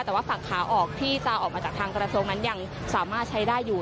แต่ว่าฝั่งขาออกที่จะออกมาจากทางกระทรวงนั้นยังสามารถใช้ได้อยู่